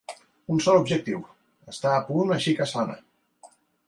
Un sol objectiu: estar a punt així que sona.